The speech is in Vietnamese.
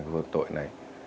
vượt tội này